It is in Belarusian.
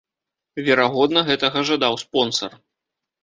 Верагодна, гэтага жадаў спонсар.